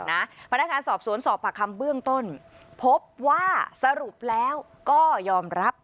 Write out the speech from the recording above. พนักงานสอบสวนสอบปากคำเบื้องต้นพบว่าสรุปแล้วก็ยอมรับ